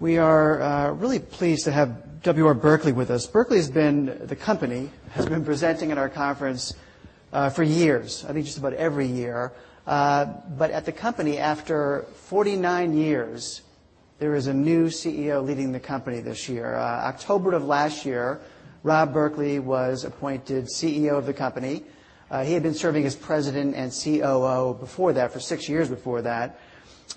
We are really pleased to have W. R. Berkley with us. Berkley has been presenting at our conference for years, I think just about every year. At the company, after 49 years, there is a new CEO leading the company this year. October of last year, Rob Berkley was appointed CEO of the company. He had been serving as President and COO before that, for six years before that.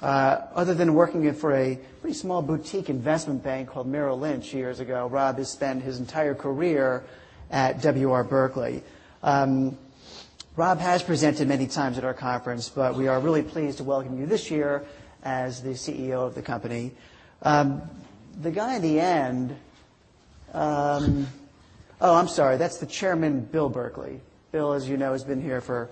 Other than working for a pretty small boutique investment bank called Merrill Lynch years ago, Rob has spent his entire career at W. R. Berkley. Rob has presented many times at our conference, we are really pleased to welcome you this year as the CEO of the company. The guy in the end, oh, I'm sorry. That's the Chairman, Bill Berkley. Bill, as you know, has been here for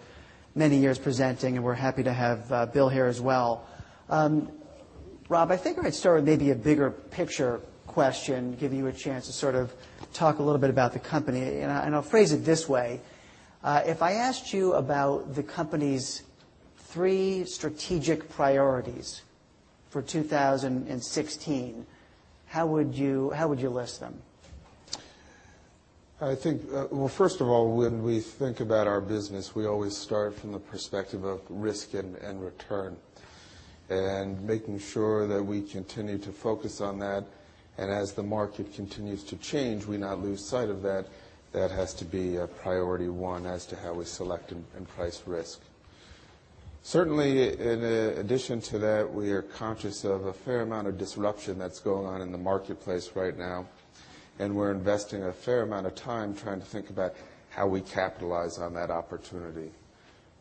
many years presenting, we're happy to have Bill here as well. Rob, I think I might start with maybe a bigger picture question, give you a chance to sort of talk a little bit about the company, I'll phrase it this way. If I asked you about the company's three strategic priorities for 2016, how would you list them? Well, first of all, when we think about our business, we always start from the perspective of risk and return and making sure that we continue to focus on that. As the market continues to change, we not lose sight of that. That has to be a priority 1 as to how we select and price risk. Certainly, in addition to that, we are conscious of a fair amount of disruption that's going on in the marketplace right now, we're investing a fair amount of time trying to think about how we capitalize on that opportunity.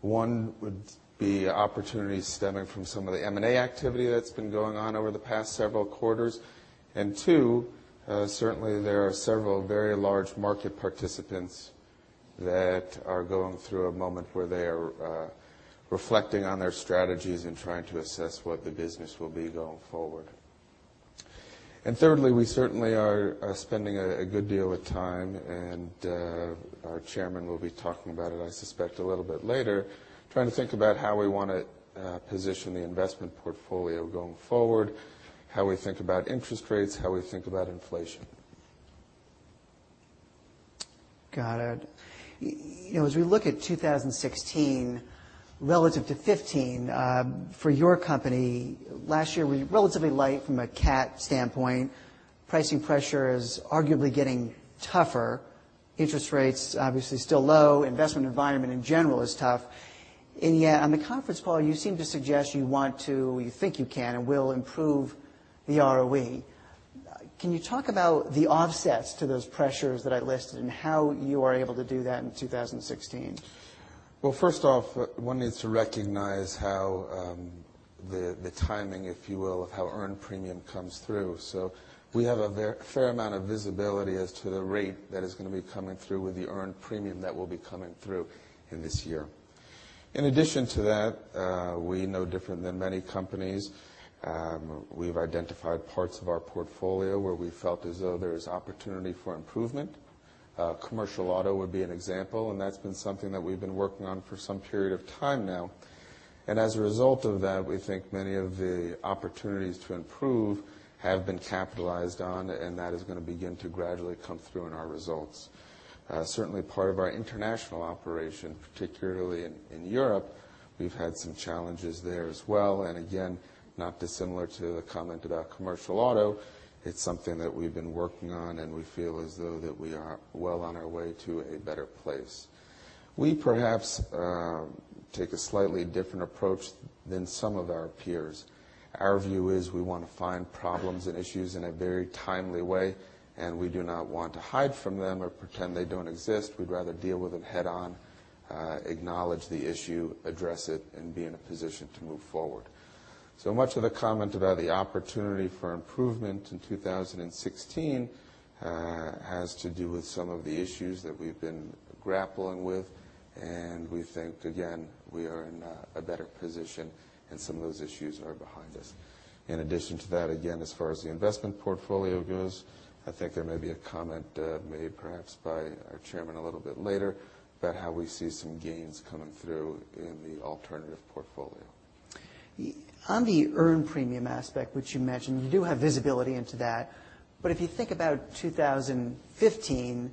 One would be opportunities stemming from some of the M&A activity that's been going on over the past several quarters. Two, certainly there are several very large market participants that are going through a moment where they are reflecting on their strategies and trying to assess what the business will be going forward. Thirdly, we certainly are spending a good deal of time, and our Chairman will be talking about it, I suspect, a little bit later, trying to think about how we want to position the investment portfolio going forward, how we think about interest rates, how we think about inflation. Got it. As we look at 2016 relative to 2015, for your company, last year was relatively light from a cat standpoint. Pricing pressure is arguably getting tougher. Interest rates obviously still low. Investment environment in general is tough. Yet on the conference call, you seem to suggest you think you can and will improve the ROE. Can you talk about the offsets to those pressures that I listed and how you are able to do that in 2016? First off, one needs to recognize how the timing, if you will, of how earned premium comes through. We have a fair amount of visibility as to the rate that is going to be coming through with the earned premium that will be coming through in this year. In addition to that, we're no different than many companies. We've identified parts of our portfolio where we felt as though there is opportunity for improvement. Commercial auto would be an example, and that's been something that we've been working on for some period of time now. As a result of that, we think many of the opportunities to improve have been capitalized on, and that is going to begin to gradually come through in our results. Certainly part of our international operation, particularly in Europe, we've had some challenges there as well. Again, not dissimilar to the comment about Commercial auto, it's something that we've been working on, and we feel as though that we are well on our way to a better place. We perhaps take a slightly different approach than some of our peers. Our view is we want to find problems and issues in a very timely way, and we do not want to hide from them or pretend they don't exist. We'd rather deal with them head on, acknowledge the issue, address it, and be in a position to move forward. Much of the comment about the opportunity for improvement in 2016 has to do with some of the issues that we've been grappling with, and we think, again, we are in a better position, and some of those issues are behind us. In addition to that, again, as far as the investment portfolio goes, I think there may be a comment made perhaps by our chairman a little bit later about how we see some gains coming through in the alternative portfolio. On the earned premium aspect, which you mentioned, you do have visibility into that. If you think about 2015,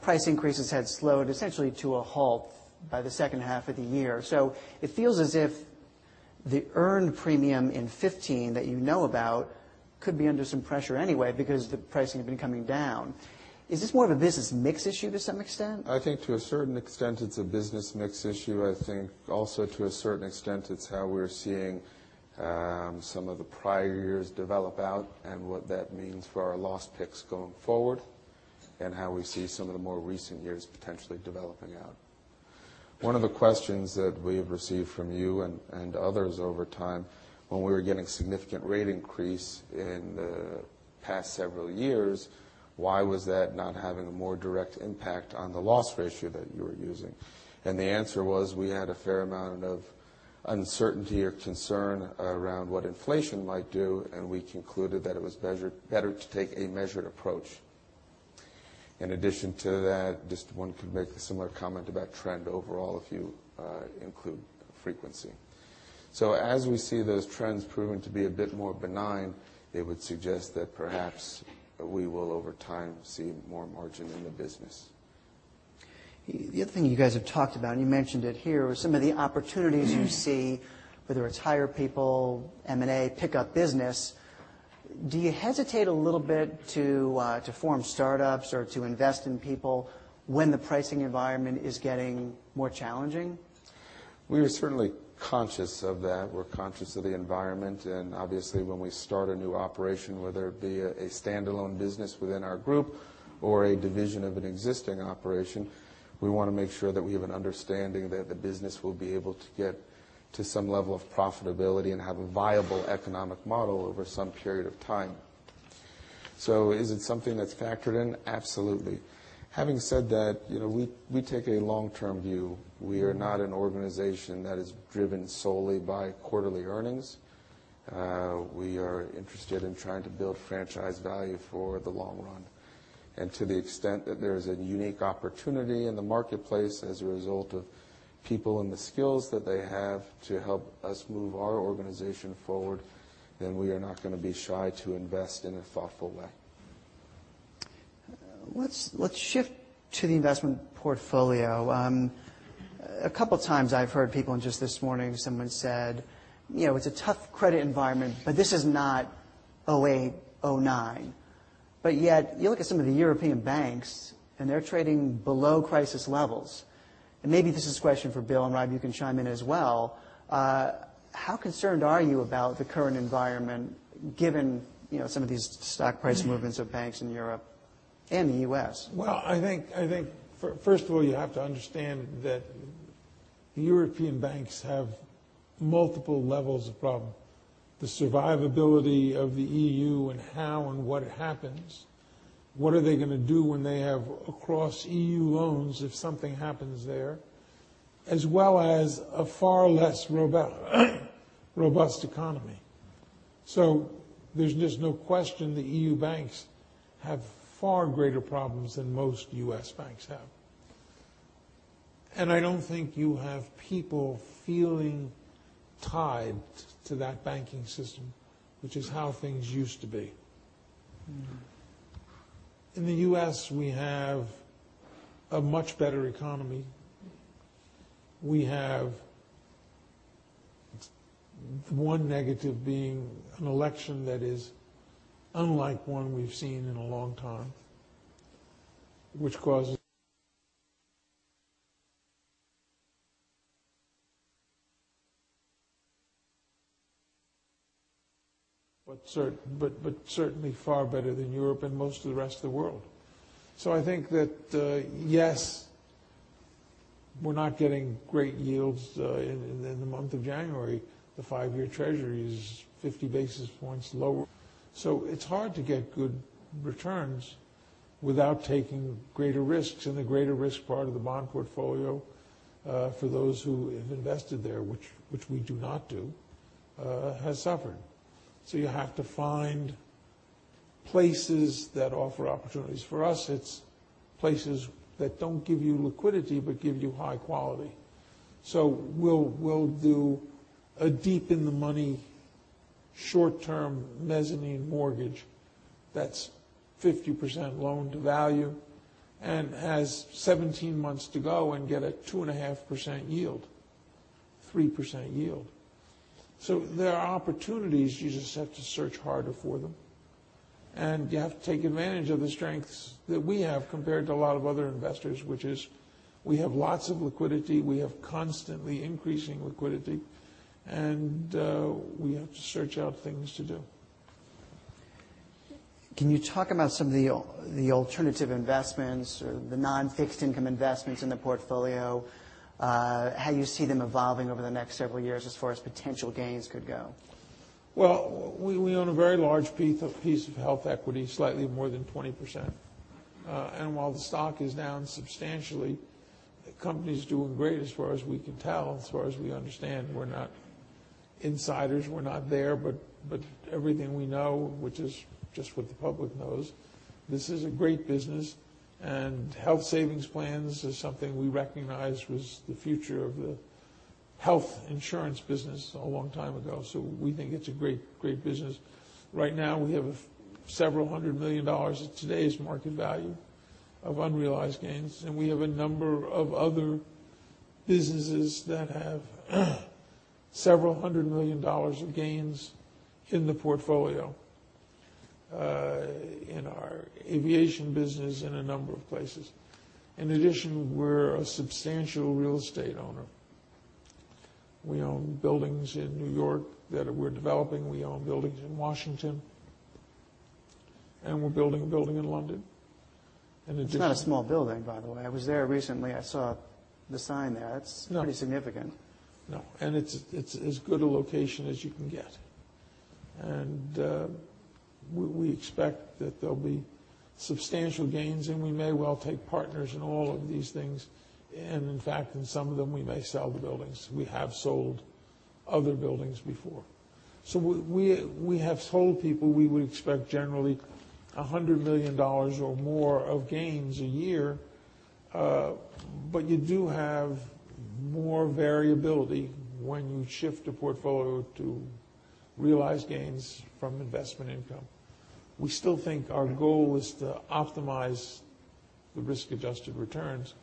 price increases had slowed essentially to a halt by the second half of the year. It feels as if the earned premium in 2015 that you know about could be under some pressure anyway because the pricing had been coming down. Is this more of a business mix issue to some extent? I think to a certain extent, it's a business mix issue. I think also to a certain extent, it's how we're seeing some of the prior years develop out and what that means for our loss picks going forward and how we see some of the more recent years potentially developing out. One of the questions that we have received from you and others over time when we were getting significant rate increase in the past several years, why was that not having a more direct impact on the loss ratio that you were using? The answer was, we had a fair amount of uncertainty or concern around what inflation might do, and we concluded that it was better to take a measured approach. In addition to that, just one could make a similar comment about trend overall if you include frequency. As we see those trends proving to be a bit more benign, it would suggest that perhaps we will, over time, see more margin in the business. The other thing you guys have talked about, and you mentioned it here, was some of the opportunities you see, whether it's hire people, M&A, pick up business. Do you hesitate a little bit to form startups or to invest in people when the pricing environment is getting more challenging? We are certainly conscious of that. We're conscious of the environment. Obviously when we start a new operation, whether it be a standalone business within our group or a division of an existing operation, we want to make sure that we have an understanding that the business will be able to get to some level of profitability and have a viable economic model over some period of time. Is it something that's factored in? Absolutely. Having said that, we take a long-term view. We are not an organization that is driven solely by quarterly earnings. We are interested in trying to build franchise value for the long run. To the extent that there is a unique opportunity in the marketplace as a result of people and the skills that they have to help us move our organization forward, we are not going to be shy to invest in a thoughtful way. Let's shift to the investment portfolio. A couple of times I've heard people, just this morning, someone said, "It's a tough credit environment, but this is not 2008, 2009." Yet you look at some of the European banks and they're trading below crisis levels. Maybe this is a question for Bill, Rob, you can chime in as well. How concerned are you about the current environment given some of these stock price movements of banks in Europe and the U.S.? Well, I think, first of all, you have to understand that European banks have multiple levels of problem. The survivability of the EU and how and what happens, what are they going to do when they have across EU loans if something happens there, as well as a far less robust economy. There's just no question the EU banks have far greater problems than most U.S. banks have. I don't think you have people feeling tied to that banking system, which is how things used to be. In the U.S., we have a much better economy. We have one negative being an election that is unlike one we've seen in a long time, which causes. Certainly far better than Europe and most of the rest of the world. I think that, yes, we're not getting great yields in the month of January. The five-year treasury is 50 basis points lower. It's hard to get good returns without taking greater risks, and the greater risk part of the bond portfolio, for those who have invested there, which we do not do, has suffered. You have to find places that offer opportunities. For us, it's places that don't give you liquidity, but give you high quality. We'll do a deep in the money, short-term mezzanine loan that's 50% loan to value and has 17 months to go and get a 2.5% yield, 3% yield. There are opportunities. You just have to search harder for them. You have to take advantage of the strengths that we have compared to a lot of other investors, which is we have lots of liquidity, we have constantly increasing liquidity, and we have to search out things to do. Can you talk about some of the alternative investments or the non-fixed income investments in the portfolio, how you see them evolving over the next several years as far as potential gains could go? Well, we own a very large piece of HealthEquity, slightly more than 20%. While the stock is down substantially, the company's doing great as far as we can tell, as far as we understand. We're not insiders. We're not there, but everything we know, which is just what the public knows, this is a great business, and health savings plans is something we recognized was the future of the health insurance business a long time ago. We think it's a great business. Right now, we have $several hundred million at today's market value of unrealized gains, and we have a number of other businesses that have several hundred million of gains in the portfolio, in our aviation business, in a number of places. In addition, we're a substantial real estate owner. We own buildings in New York that we're developing. We own buildings in Washington, and we're building a building in London. In addition- It's not a small building, by the way. I was there recently. I saw the sign there. No. It's pretty significant. No. It's as good a location as you can get. We expect that there'll be substantial gains, and we may well take partners in all of these things. In fact, in some of them, we may sell the buildings. We have sold other buildings before. We have told people we would expect generally $100 million or more of gains a year, but you do have more variability when you shift a portfolio to realize gains from investment income. We still think our goal is to optimize the risk-adjusted returns.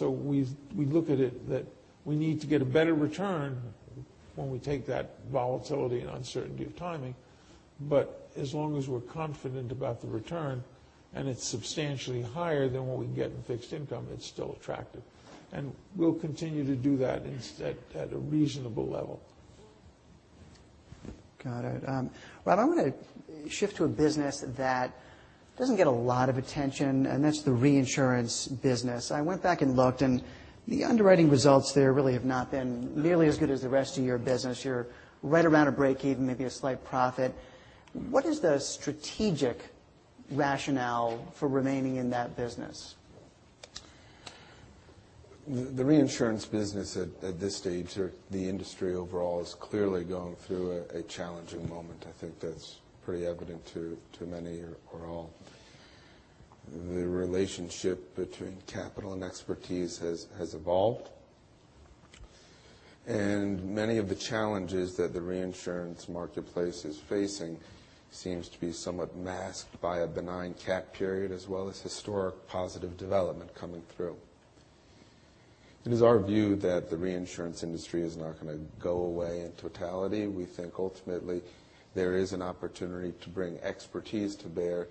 We look at it that we need to get a better return when we take that volatility and uncertainty of timing, but as long as we're confident about the return, and it's substantially higher than what we can get in fixed income, it's still attractive. We'll continue to do that instead at a reasonable level. Got it. I'm going to shift to a business that doesn't get a lot of attention, that's the reinsurance business. I went back and looked, the underwriting results there really have not been nearly as good as the rest of your business. You're right around a break-even, maybe a slight profit. What is the strategic rationale for remaining in that business? The reinsurance business at this stage, or the industry overall, is clearly going through a challenging moment. I think that's pretty evident to many or all. The relationship between capital and expertise has evolved, many of the challenges that the reinsurance marketplace is facing seems to be somewhat masked by a benign cat period as well as historic positive development coming through. It is our view that the reinsurance industry is not going to go away in totality. We think ultimately there is an opportunity to bring expertise to bear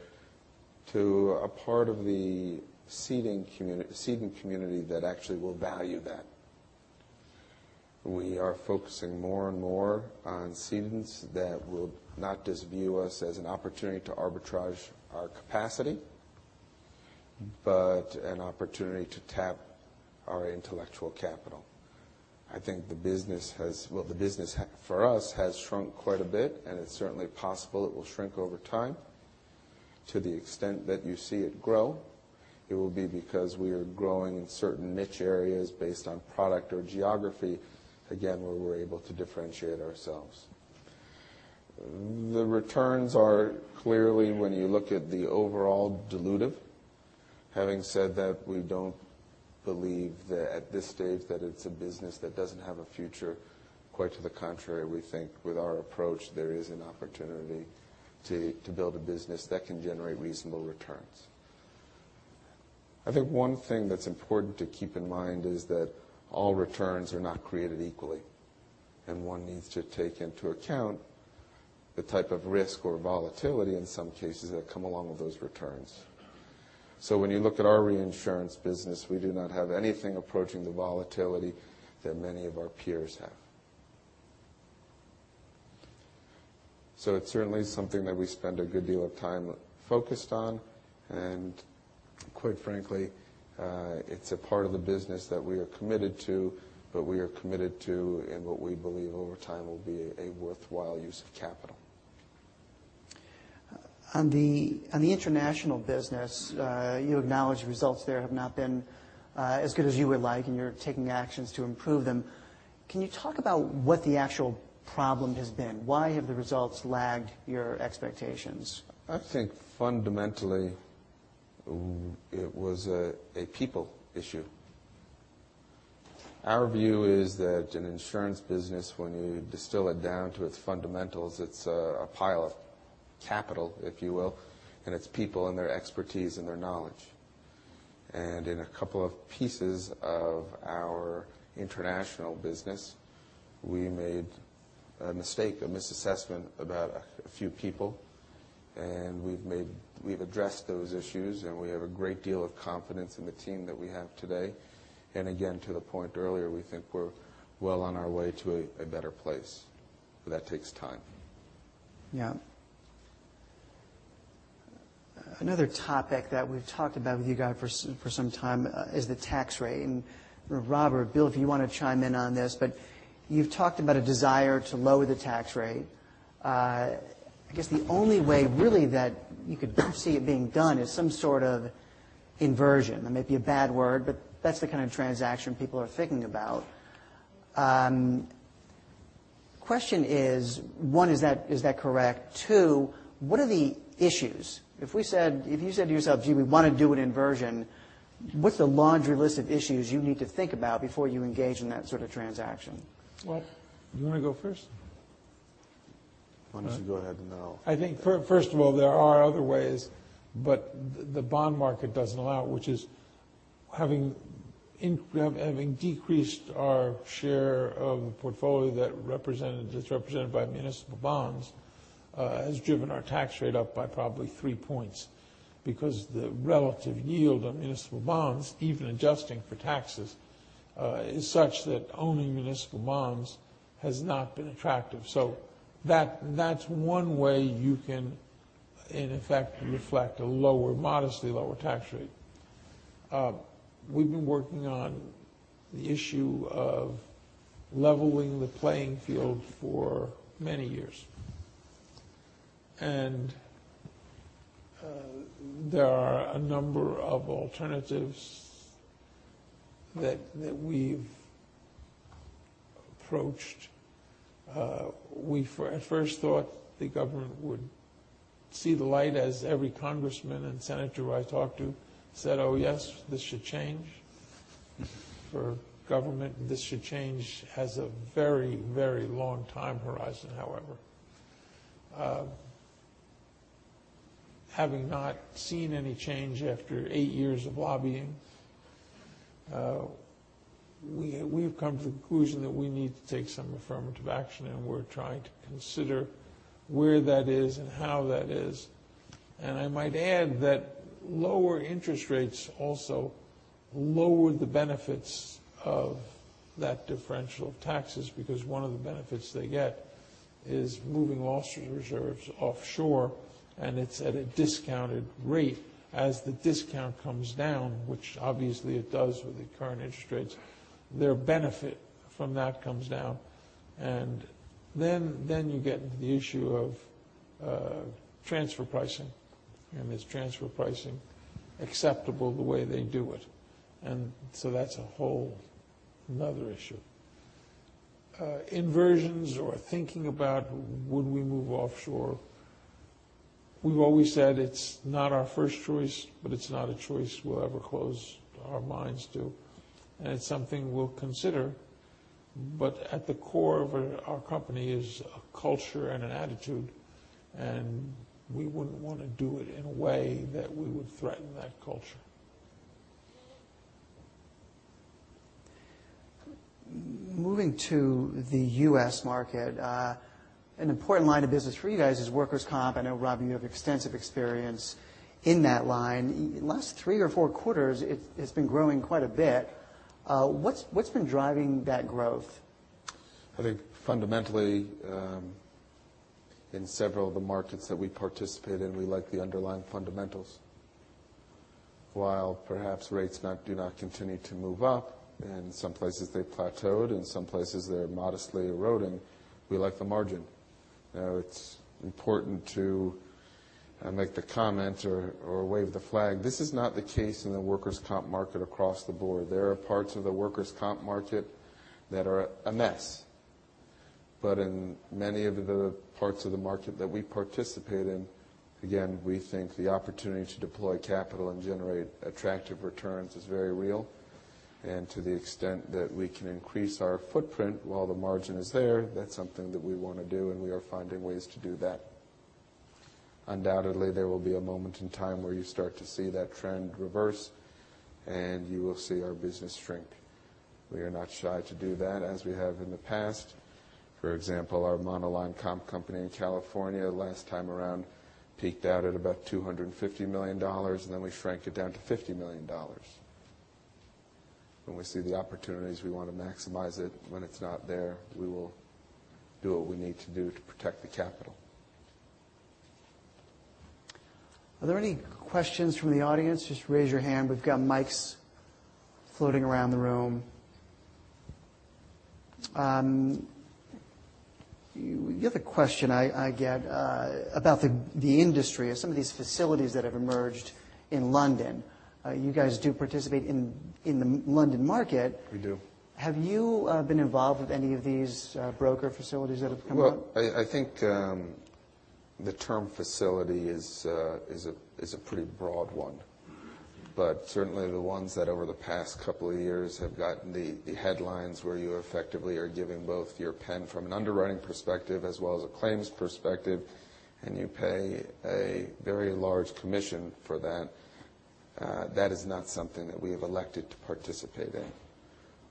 to a part of the ceding community that actually will value that. We are focusing more and more on cedings that will not just view us as an opportunity to arbitrage our capacity, but an opportunity to tap our intellectual capital. I think the business for us has shrunk quite a bit, it's certainly possible it will shrink over time. To the extent that you see it grow, it will be because we are growing in certain niche areas based on product or geography, again, where we're able to differentiate ourselves. The returns are clearly, when you look at the overall dilutive. Having said that, we don't believe that at this stage that it's a business that doesn't have a future. Quite to the contrary, we think with our approach, there is an opportunity to build a business that can generate reasonable returns. I think one thing that's important to keep in mind is that all returns are not created equally, one needs to take into account the type of risk or volatility in some cases that come along with those returns. When you look at our reinsurance business, we do not have anything approaching the volatility that many of our peers have. It's certainly something that we spend a good deal of time focused on, quite frankly, it's a part of the business that we are committed to, we are committed to in what we believe over time will be a worthwhile use of capital. On the international business, you acknowledge results there have not been as good as you would like, and you're taking actions to improve them. Can you talk about what the actual problem has been? Why have the results lagged your expectations? I think fundamentally, it was a people issue. Our view is that an insurance business, when you distill it down to its fundamentals, it's a pile of capital, if you will, and it's people and their expertise and their knowledge. In a couple of pieces of our international business, we made a mistake, a misassessment about a few people, and we've addressed those issues, and we have a great deal of confidence in the team that we have today. Again, to the point earlier, we think we're well on our way to a better place. That takes time. Yeah. Another topic that we've talked about with you guys for some time is the tax rate. Robert, Bill, if you want to chime in on this, but you've talked about a desire to lower the tax rate. I guess the only way really that you could see it being done is some sort of inversion. That may be a bad word, but that's the kind of transaction people are thinking about. Question is, one, is that correct? Two, what are the issues? If you said to yourself, "Gee, we want to do an inversion," what's the laundry list of issues you need to think about before you engage in that sort of transaction? Well, you want to go first? Why don't you go ahead now? I think first of all, there are other ways, the bond market doesn't allow it, which is having decreased our share of a portfolio that's represented by municipal bonds, has driven our tax rate up by probably three points because the relative yield on municipal bonds, even adjusting for taxes, is such that owning municipal bonds has not been attractive. That's one way you can, in effect, reflect a modestly lower tax rate. We've been working on the issue of leveling the playing field for many years. There are a number of alternatives that we've approached. We at first thought the government would see the light as every congressman and senator who I talked to said, "Oh yes, this should change for government." This should change has a very long time horizon, however. Having not seen any change after eight years of lobbying, we've come to the conclusion that we need to take some affirmative action, and we're trying to consider where that is and how that is. I might add that lower interest rates also lower the benefits of that differential of taxes because one of the benefits they get is moving loss reserves offshore, and it's at a discounted rate. As the discount comes down, which obviously it does with the current interest rates, their benefit from that comes down. Then you get into the issue of transfer pricing, and is transfer pricing acceptable the way they do it? That's a whole another issue. Inversions or thinking about would we move offshore, we've always said it's not our first choice, but it's not a choice we'll ever close our minds to, and it's something we'll consider. At the core of our company is a culture and an attitude, and we wouldn't want to do it in a way that we would threaten that culture. Moving to the U.S. market, an important line of business for you guys is workers' comp. I know, Rob, you have extensive experience in that line. Last three or four quarters, it has been growing quite a bit. What's been driving that growth? I think fundamentally, in several of the markets that we participate in, we like the underlying fundamentals. While perhaps rates do not continue to move up, in some places they've plateaued, in some places they're modestly eroding. We like the margin. It's important to make the comment or wave the flag. This is not the case in the workers' comp market across the board. There are parts of the workers' comp market that are a mess. In many of the parts of the market that we participate in, again, we think the opportunity to deploy capital and generate attractive returns is very real. To the extent that we can increase our footprint while the margin is there, that's something that we want to do, and we are finding ways to do that. Undoubtedly, there will be a moment in time where you start to see that trend reverse, and you will see our business shrink. We are not shy to do that as we have in the past. For example, our monoline comp company in California last time around peaked out at about $250 million, and then we shrank it down to $50 million. When we see the opportunities, we want to maximize it. When it's not there, we will do what we need to do to protect the capital. Are there any questions from the audience? Just raise your hand. We've got mics floating around the room. The other question I get about the industry is some of these facilities that have emerged in London. You guys do participate in the London market. We do. Have you been involved with any of these broker facilities that have come up? Well, I think the term facility is a pretty broad one. Certainly the ones that over the past couple of years have gotten the headlines where you effectively are giving both your pen from an underwriting perspective as well as a claims perspective, and you pay a very large commission for that. That is not something that we have elected to participate in.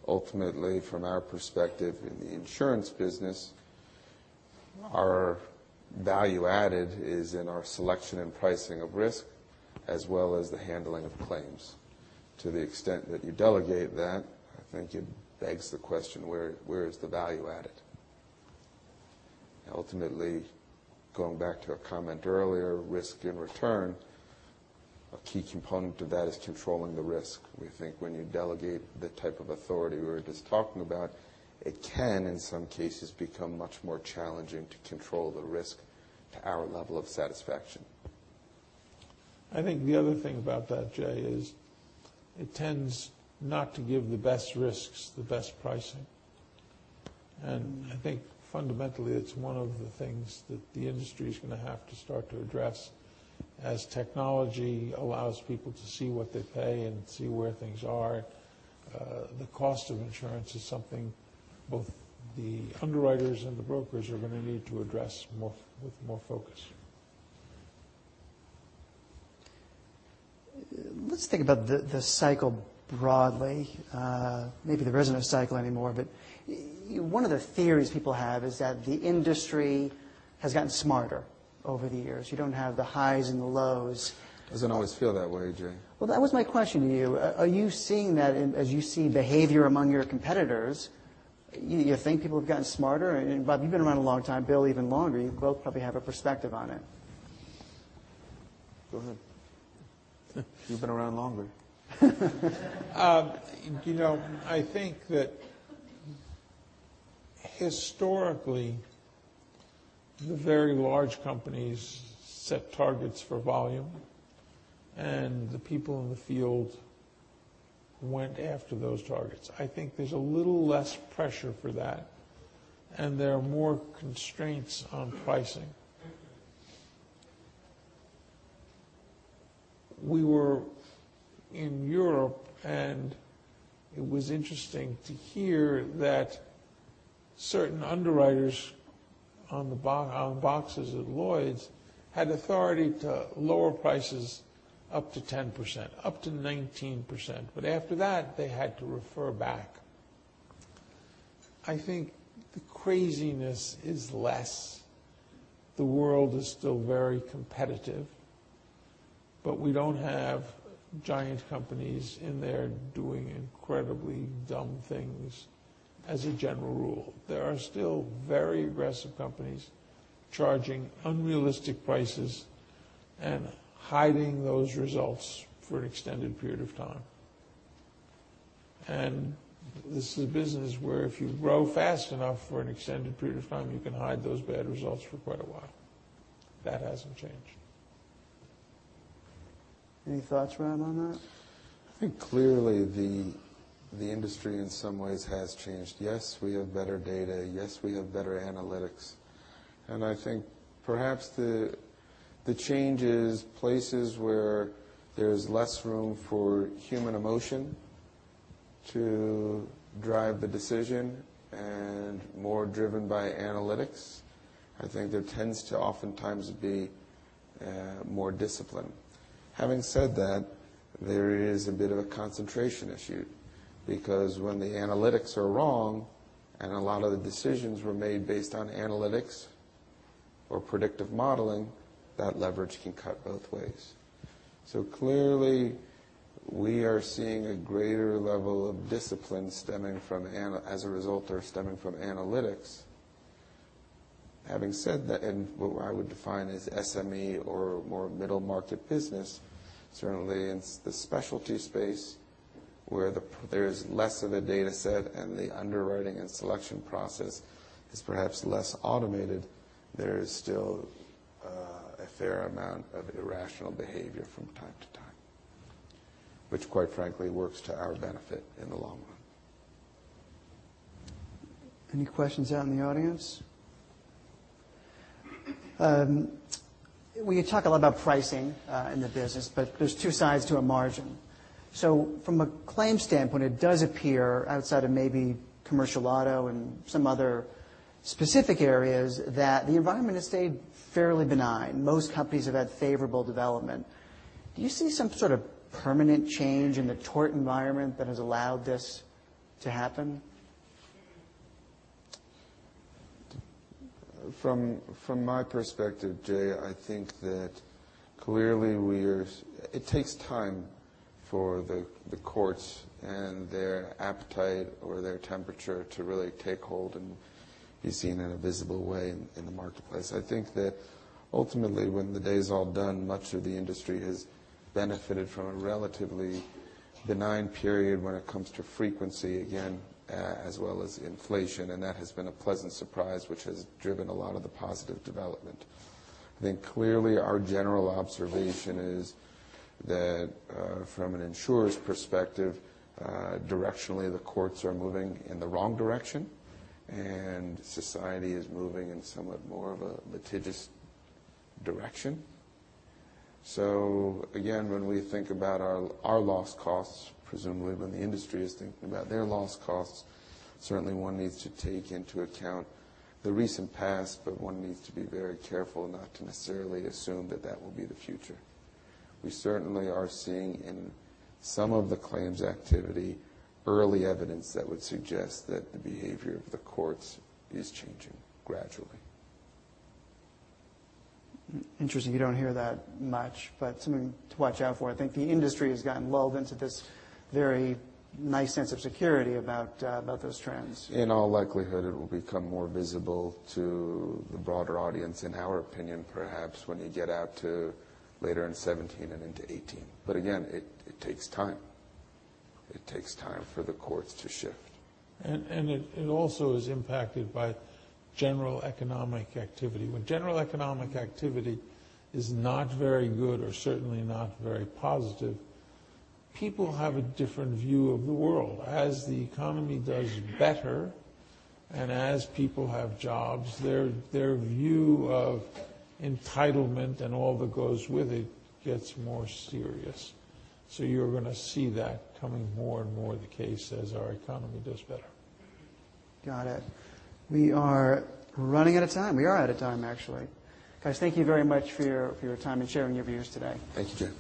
Ultimately, from our perspective in the insurance business, our value added is in our selection and pricing of risk, as well as the handling of claims. To the extent that you delegate that, I think it begs the question, where is the value added? Ultimately, going back to a comment earlier, risk and return, a key component of that is controlling the risk. We think when you delegate the type of authority we were just talking about, it can, in some cases, become much more challenging to control the risk to our level of satisfaction. I think the other thing about that, Jay, is it tends not to give the best risks the best pricing. I think fundamentally it's one of the things that the industry is going to have to start to address as technology allows people to see what they pay and see where things are. The cost of insurance is something both the underwriters and the brokers are going to need to address with more focus. Let's think about the cycle broadly. Maybe there isn't a cycle anymore, but one of the theories people have is that the industry has gotten smarter over the years. You don't have the highs and the lows. It doesn't always feel that way, Jay. Well, that was my question to you. Are you seeing that as you see behavior among your competitors? You think people have gotten smarter? Bob, you've been around a long time, Bill even longer. You both probably have a perspective on it. Go ahead. You've been around longer. I think that historically, the very large companies set targets for volume, and the people in the field went after those targets. I think there's a little less pressure for that, and there are more constraints on pricing. We were in Europe, and it was interesting to hear that certain underwriters on the boxes at Lloyd's had authority to lower prices up to 10%, up to 19%, but after that, they had to refer back. I think the craziness is less. The world is still very competitive, but we don't have giant companies in there doing incredibly dumb things as a general rule. There are still very aggressive companies charging unrealistic prices and hiding those results for an extended period of time. This is a business where if you grow fast enough for an extended period of time, you can hide those bad results for quite a while. That hasn't changed. Any thoughts, Rob, on that? I think clearly the industry in some ways has changed. Yes, we have better data. Yes, we have better analytics. I think perhaps the change is places where there's less room for human emotion to drive the decision and more driven by analytics. I think there tends to oftentimes be more discipline. Having said that, there is a bit of a concentration issue because when the analytics are wrong and a lot of the decisions were made based on analytics or predictive modeling, that leverage can cut both ways. Clearly, we are seeing a greater level of discipline as a result or stemming from analytics. Having said that, what I would define as SME or more middle-market business, certainly in the specialty space where there is less of a data set and the underwriting and selection process is perhaps less automated, there is still a fair amount of irrational behavior from time to time, which quite frankly works to our benefit in the long run. Any questions out in the audience? Well, you talk a lot about pricing in the business, there's two sides to a margin. From a claim standpoint, it does appear outside of maybe commercial auto and some other specific areas that the environment has stayed fairly benign. Most companies have had favorable development. Do you see some sort of permanent change in the tort environment that has allowed this to happen? From my perspective, Jay, I think that clearly it takes time for the courts and their appetite or their temperature to really take hold and be seen in a visible way in the marketplace. I think that ultimately, when the day's all done, much of the industry has benefited from a relatively benign period when it comes to frequency, again, as well as inflation. That has been a pleasant surprise, which has driven a lot of the positive development. I think clearly our general observation is that from an insurer's perspective, directionally, the courts are moving in the wrong direction, and society is moving in somewhat more of a litigious direction. Again, when we think about our loss costs, presumably when the industry is thinking about their loss costs, certainly one needs to take into account the recent past, but one needs to be very careful not to necessarily assume that that will be the future. We certainly are seeing in some of the claims activity early evidence that would suggest that the behavior of the courts is changing gradually. Interesting you don't hear that much, something to watch out for. I think the industry has gotten lulled into this very nice sense of security about those trends. In all likelihood, it will become more visible to the broader audience, in our opinion, perhaps when you get out to later in 2017 and into 2018. Again, it takes time. It takes time for the courts to shift. It also is impacted by general economic activity. When general economic activity is not very good or certainly not very positive, people have a different view of the world. As the economy does better and as people have jobs, their view of entitlement and all that goes with it gets more serious. You're going to see that becoming more and more the case as our economy does better. Got it. We are running out of time. We are out of time, actually. Guys, thank you very much for your time and sharing your views today. Thank you, Jay.